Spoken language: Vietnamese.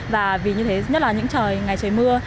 và vì như thế nhất là những trời ngày trời mưa